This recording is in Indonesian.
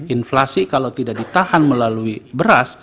inflasi kalau tidak ditahan melalui beras